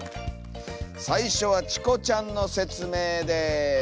最初はチコちゃんの説明です。